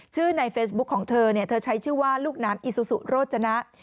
ในเฟซบุ๊คของเธอเนี่ยเธอใช้ชื่อว่าลูกน้ำอิซูซุโรจนะ